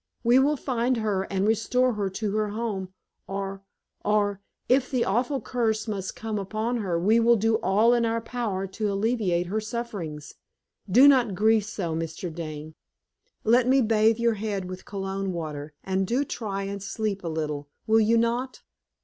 We will find her and restore her to her home; or or if the awful curse must come upon her, we will do all in our power to alleviate her sufferings. Do not grieve so, Mr. Dane. Let me bathe your head with cologne water, and do try and sleep a little, will you not?"